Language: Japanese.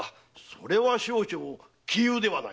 それは少々杞憂ではないか？